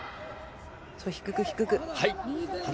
低く、低く。